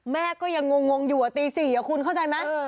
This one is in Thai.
แม่ก็ยังงงอยู่ตี๔คุณเข้าใจไหม